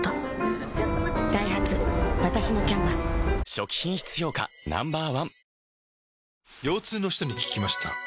初期品質評価Ｎｏ．１